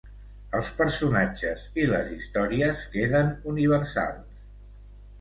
Els personatges i les històries queden universals.